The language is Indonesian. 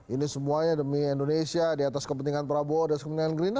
ini semuanya demi indonesia di atas kepentingan prabowo di atas kepentingan gelinda